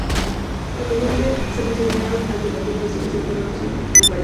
Añadió que se consideraron alternativas de solución, pero no las encontraron viables.